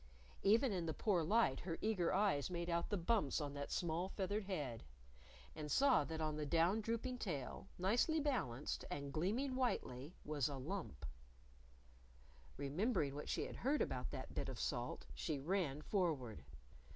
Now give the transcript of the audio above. Even in the poor light her eager eyes made out the bumps on that small feathered head. And saw that on the down drooping tail, nicely balanced, and gleaming whitely, was a lump. Remembering what she had heard about that bit of salt, she ran forward.